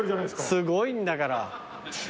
すごいんだから。